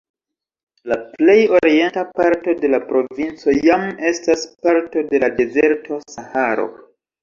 La plej orienta parto de la provinco jam estas parto de la dezerto Saharo.